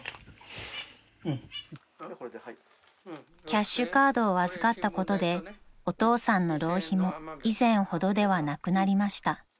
［キャッシュカードを預かったことでお父さんの浪費も以前ほどではなくなりました］